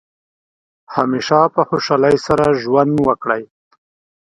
همیشه په خوشحالۍ سره ژوند وکړئ.